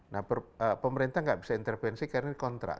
nah pemerintah nggak bisa intervensi karena ini kontrak